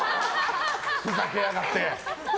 ふざけやがって。